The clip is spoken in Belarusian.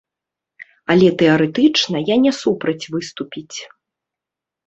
Але тэарэтычна я не супраць выступіць.